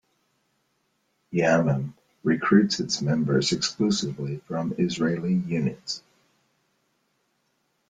Yamam recruits its members exclusively from Israeli units.